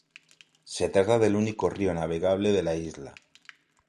Se trata del único río navegable de la isla.